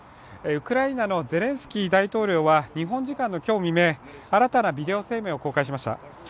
ウクライナのゼレンスキー大統領は日本時間の今日未明、新たなビデオ声明を公開しました。